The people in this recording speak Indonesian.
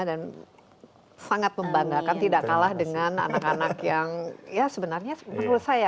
dan sangat membandangkan tidak kalah dengan anak anak yang ya sebenarnya menurut saya